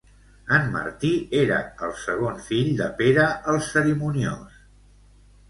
En Martí era el segon fill de Pere el Cerimoniós.